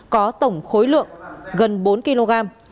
có tổng khối lượng gần bốn kg